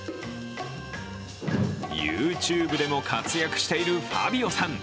ＹｏｕＴｕｂｅでも活躍しているファビオさん。